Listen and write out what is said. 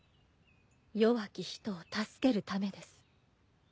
弱き人を助けるためです。